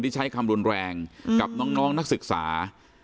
ที่ใช้คำรุนแรงกับน้องน้องนักศึกษา